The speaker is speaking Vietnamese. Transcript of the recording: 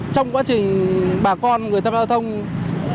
trong quá trình bà con người tham gia giao thông trên tuyến đường cuối lộ một a